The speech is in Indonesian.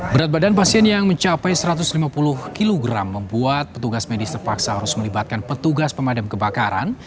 berat badan pasien yang mencapai satu ratus lima puluh kg membuat petugas medis terpaksa harus melibatkan petugas pemadam kebakaran